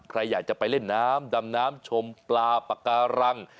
ใครอยากจะไปเล่นน้ำดำน้ำชมปลาปากการัง